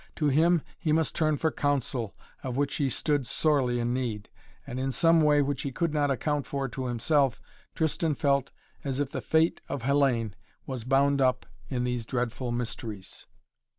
To him he must turn for counsel, of which he stood sorely in need. And in some way which he could not account for to himself, Tristan felt as if the fate of Hellayne was bound up in these dreadful mysteries.